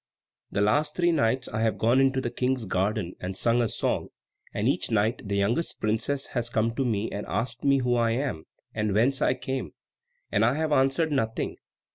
The last three nights I have gone into the King's garden and sung a song, and each night the youngest princess has come to me and asked me who I am, and whence I came, and I have answered nothing.